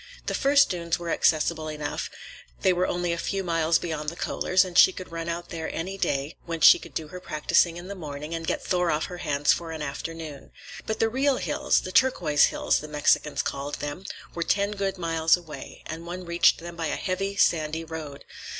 The first dunes were accessible enough; they were only a few miles beyond the Kohlers', and she could run out there any day when she could do her practicing in the morning and get Thor off her hands for an afternoon. But the real hills—the Turquoise Hills, the Mexicans called them—were ten good miles away, and one reached them by a heavy, sandy road.